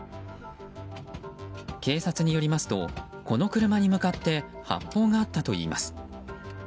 警察によりますとこの車に向かって発砲があったといいます。